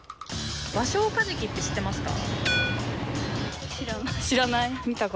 バショウカジキって知ってますか？